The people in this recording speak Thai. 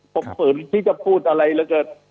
ผมฝืนที่จะพูดอะไรละเกิด